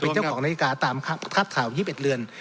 เป็นเจ้าของนาฬิกาตามคาดข่าว๒๑เรือน